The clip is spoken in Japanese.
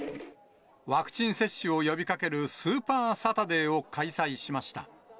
ワクチン接種を呼びかけるスーパーサタデーを開催しました。